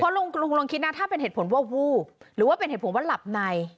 ลุงลองคิดนะถ้าเป็นเหตุผลว่าวูบหรือว่าเป็นเหตุผลว่าหลับใน